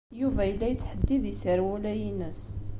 Yuba yella yettḥeddid iserwula-ines.